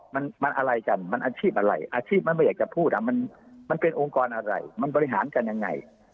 มันมันอะไรกันมันอาชีพอะไรอาชีพมันไม่อยากจะพูดมันเป็นองค์กรอะไรมันบริหารกันยังไง